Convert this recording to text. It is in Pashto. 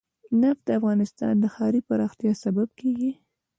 نفت د افغانستان د ښاري پراختیا سبب کېږي.